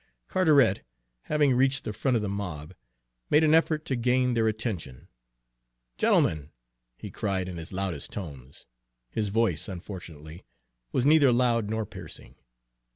Carteret, having reached the front of the mob, made an effort to gain their attention. "Gentlemen!" he cried in his loudest tones. His voice, unfortunately, was neither loud nor piercing.